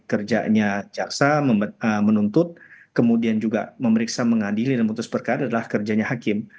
kerjanya jaksa menuntut kemudian juga memeriksa mengadili dan memutus perkara adalah kerjanya hakim